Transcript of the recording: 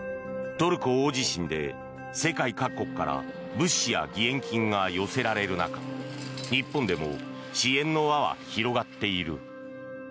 トルコ大地震で世界各国から物資や義援金が寄せられる中日本でも支援の輪は広がっている。